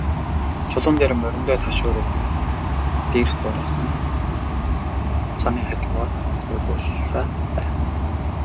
Чулуун хээр мориндоо ташуур өгөн, дэрс ургасан замын хажуугаар цогиулсаар байв.